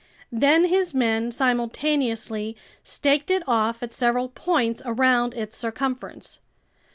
Then his men simultaneously staked it off at several points around its circumference.